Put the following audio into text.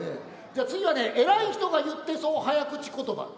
じゃあ次はね偉い人が言ってそう早口言葉。